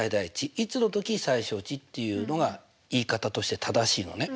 いつのとき最小値っていうのが言い方として正しいのね。